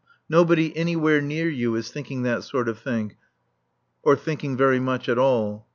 Nobody anywhere near you is thinking that sort of thing, or thinking very much at all.